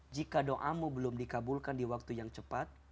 jika doamu belum dikabulkan di waktu yang cepat